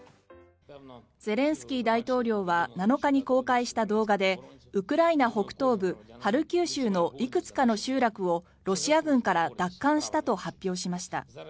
ゼレンスキー大統領は７日に公開した動画でウクライナ北東部ハルキウ州のいくつかの集落をロシア軍から奪還したと発表しました。